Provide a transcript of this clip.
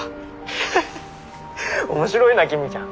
ハハッ面白いな公ちゃん。